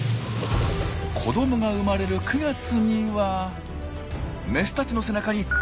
子どもが生まれる９月にはメスたちの背中にうわっ！